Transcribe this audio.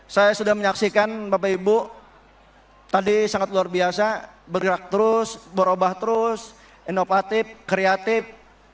saya sudah menyaksikan bapak ibu tadi sangat luar biasa bergerak terus berubah terus inovatif kreatif